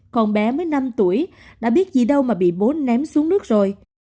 còn bé mới năm tuổi đã biết gì đâu mà bị bố ném xuống nước rồi